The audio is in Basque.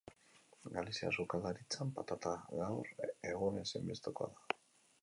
Galiziar sukaldaritzan patata gaur egun ezinbestekoa da.